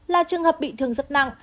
là trường hợp bị thương rất nặng